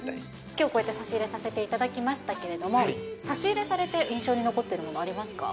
きょうこうやって差し入れさせていただきましたけれども、差し入れされて印象に残っているものありますか？